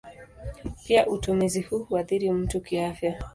Pia utumizi huu huathiri mtu kiafya.